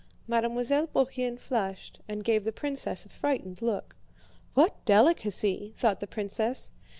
Mademoiselle Bourienne flushed, and gave the princess a frightened look. "What delicacy!" thought the princess.